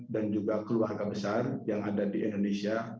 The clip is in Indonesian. dan juga keluarga besar yang ada di indonesia